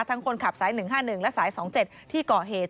ทั้งคนขับสาย๑๕๑และสาย๒๗ที่เกาะเหตุ